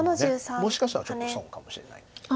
もしかしたらちょっと損かもしれない。